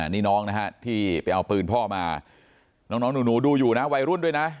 นี่น้องนะฮะที่ไปเอาปืนพ่อมาน้องหนูดูอยู่นะวัยรุ่นด้วยนะ